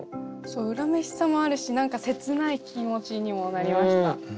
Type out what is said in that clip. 恨めしさもあるし何か切ない気持ちにもなりました。